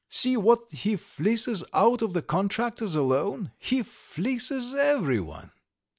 "See what he fleeces out of the contractors alone! He fleeces everyone!"